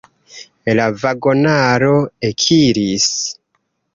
La vagonaro ekiris.